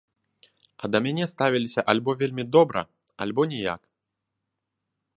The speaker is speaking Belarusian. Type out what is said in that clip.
А да мяне ставіліся альбо вельмі добра, альбо ніяк.